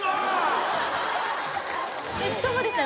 しかもですね